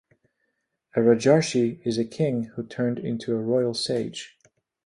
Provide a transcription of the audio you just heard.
A rajarshi is a king who turned into a royal sage.